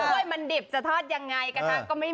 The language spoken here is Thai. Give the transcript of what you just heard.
้วยมันดิบจะทอดยังไงกระทะก็ไม่